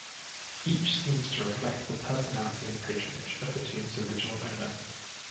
Each seems to reflect the personality and patronage of the tomb's original owner.